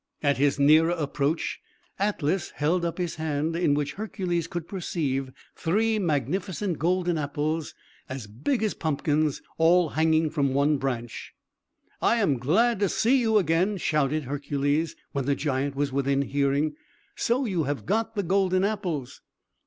At his nearer approach, Atlas held up his hand, in which Hercules could perceive three magnificent golden apples, as big as pumpkins, all hanging from one branch. "I am glad to see you again," shouted Hercules, when the giant was within hearing. "So you have got the golden apples?"